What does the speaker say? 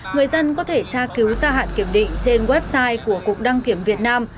người dân có thể tra cứu gia hạn kiểm định trên website của cục đăng kiểm việt nam